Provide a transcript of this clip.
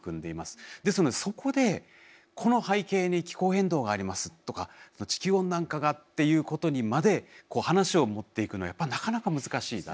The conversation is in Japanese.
ですのでそこでこの背景に気候変動がありますとか地球温暖化がっていうことにまで話を持っていくのはやっぱりなかなか難しいだろうと。